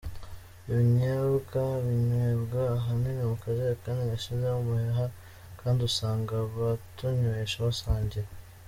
Ibyo binyobwa binywebwa ahanini mu kajerekani gashinzemo umuheha, kandi usanga abatunywesha basangira.